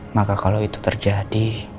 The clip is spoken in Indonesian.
maka kalau itu terjadi